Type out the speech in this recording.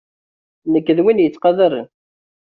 Nekk d win yettqadaren.